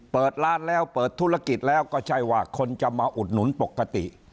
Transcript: เปิดร้านแล้วเปิดธุรกิจแล้วก็ใช่ว่าคนจะมาอุดหนุนปกติ